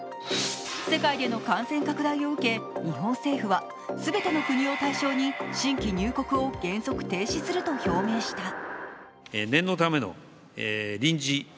世界での感染拡大を受け、日本政府は全ての国を対象に新規入国を原則停止すると表明した。